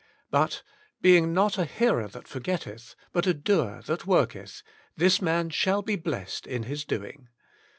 But ... being not a hearer that forgetteth, but a doer that worketh, this man shall be blessed in his doing."